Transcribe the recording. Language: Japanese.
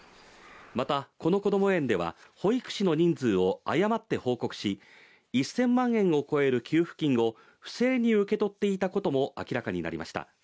また、このこども園では保育士の人数を誤って報告し、１０００万円を超える給付金を不正に受け取っていたことも明らかになりました。